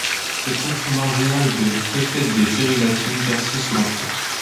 Cette fonction marginale de préfet des Féries latines persiste sous l'Empire.